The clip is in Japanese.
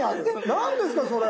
何ですかそれ。